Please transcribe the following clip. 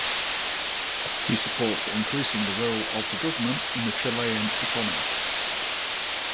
He supports increasing the role of the government in the Chilean economy.